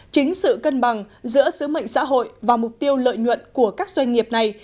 chính sự cân bằng giữa sứ mệnh xã hội và mục tiêu lợi nhuận của các doanh nghiệp này